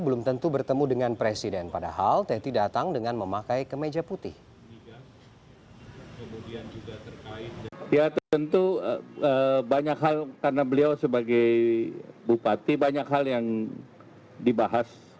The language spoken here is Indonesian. belum tentu bertemu dengan presiden padahal teti datang dengan memakai kemeja putih